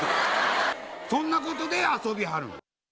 そんなことで遊びはる。